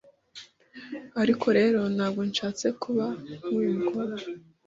Ariko rero ntabwo nshatse kuba nk'uyu mukobwa.